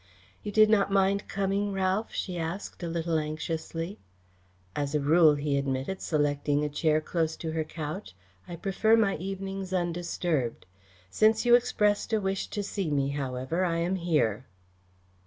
"You did not mind coming, Ralph?" she asked a little anxiously. "As a rule," he admitted, selecting a chair close to her couch, "I prefer my evenings undisturbed. Since you expressed a wish to see me, however, I am here."